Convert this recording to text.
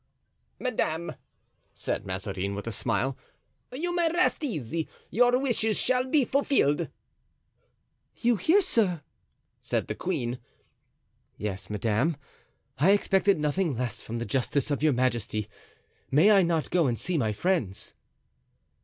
"Madame," said Mazarin, with a smile, "you may rest easy; your wishes shall be fulfilled." "You hear, sir?" said the queen. "Yes, madame, I expected nothing less from the justice of your majesty. May I not go and see my friends?"